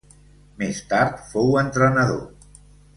Més tard fou entrenador.